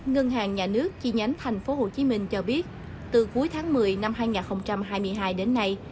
ngân hàng nhà nước chi nhánh tp hcm cho biết từ cuối tháng một mươi năm hai nghìn hai mươi hai đến nay